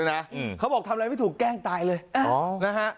เขาบอกทำอะไรไม่ถูกแกล้งตายเลยอ๋อนะฮะ